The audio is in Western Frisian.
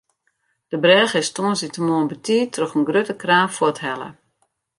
De brêge is tongersdeitemoarn betiid troch in grutte kraan fuorthelle.